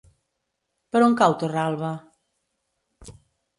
Per on cau Torralba?